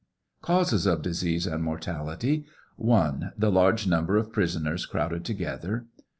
CAUSES OP DISEASE AND MORTALITY. J. The large number of prisoners crowded together.